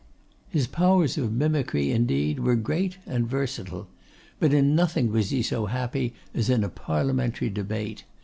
His powers of mimicry, indeed, were great and versatile. But in nothing was he so happy as in a Parliamentary debate.